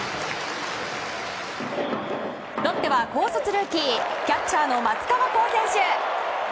ロッテは高卒ルーキーキャッチャーの松川虎生選手。